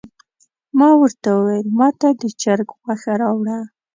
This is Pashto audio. ما ورته وویل ماته د چرګ غوښه راوړه.